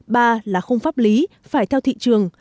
ba là không pháp lý phải theo thị trường